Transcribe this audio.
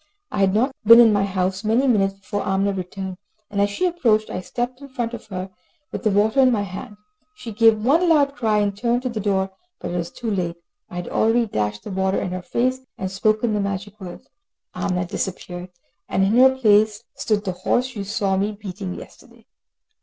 I had not been in my house many minutes before Amina returned, and as she approached I stepped in front of her, with the water in my hand. She gave one loud cry, and turned to the door, but she was too late. I had already dashed the water in her face and spoken the magic words. Amina disappeared, and in her place stood the horse you saw me beating yesterday.